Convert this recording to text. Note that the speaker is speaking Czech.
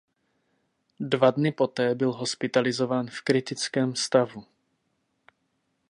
Dva dny poté byl hospitalizován v kritickém stavu.